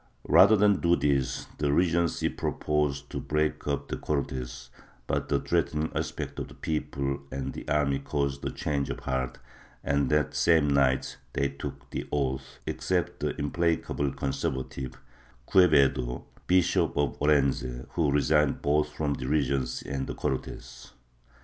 Rather than do this, the Regency proposed to break up the Cortes, but the threatening aspect of the people and the army caused a change of heart, and that same night they took the oath, except the implacable conser vative Quevedo Bishop of Orense, who resigned both from the Regency and the Cortes.